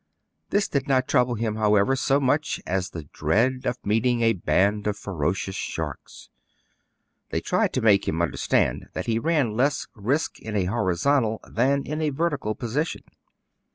This did DOES NOT FINISH WELL FOR CAPT, YIN. 223 not trouble him, however, so much as the dread of meeting a band of ferocious sharks. They tried to make him understand that he ran less risk in a horizontal than in a vertical position.